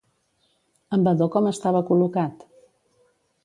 En Vadó com estava col·locat?